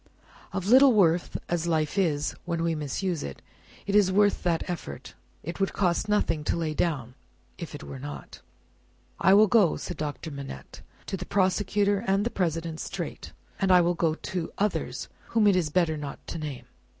Of little worth as life is when we misuse it, it is worth that effort. It would cost nothing to lay down if it were not." "I will go," said Doctor Manette, "to the Prosecutor and the President straight, and I will go to others whom it is better not to name.